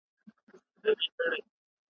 څه به وایم څه به اورم.